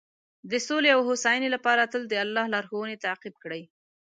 د سولې او هوساینې لپاره تل د الله لارښوونې تعقیب کړئ.